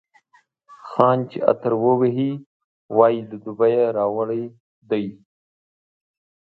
خان چي عطر ووهي، وايي له دوبۍ یې راوړی دی.